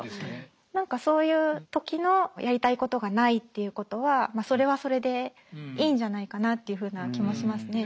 何かそういう時のやりたいことがないっていうことはそれはそれでいいんじゃないかなっていうふうな気もしますね。